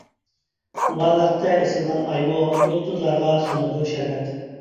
مۇئەللەقتە ئېسىلغان ئايمۇ، يۇلتۇزلارغا سۇنىدۇ شەربەت.